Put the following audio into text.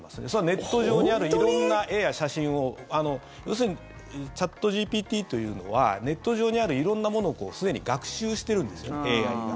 ネット上にある色んな絵や写真を要するにチャットＧＰＴというのはネット上にある色んなものをすでに学習してるんですねＡＩが。